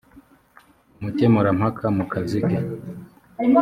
umukemurampaka mu kazi ke